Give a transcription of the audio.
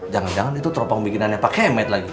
jangan jangan itu teropong bikinannya pak kemet lagi